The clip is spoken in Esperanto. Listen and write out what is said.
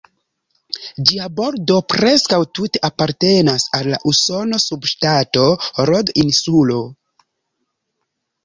Ĝia bordo preskaŭ tute apartenas al la usona subŝtato Rod-Insulo.